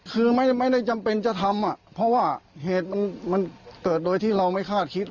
คือไม่ได้จำเป็นจะทำเพราะว่าเหตุมันเกิดโดยที่เราไม่คาดคิด